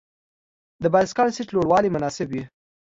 د بایسکل سیټ لوړوالی مناسب وي.